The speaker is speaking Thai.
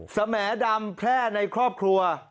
สมแดมแพร่ในครอบครัว